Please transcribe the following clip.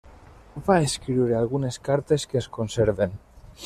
Va escriure algunes cartes que es conserven.